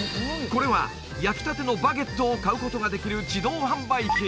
これは焼きたてのバゲットを買うことができる自動販売機